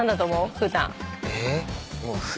ふうたん。